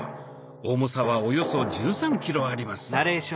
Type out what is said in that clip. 重さはおよそ１３ｋｇあります。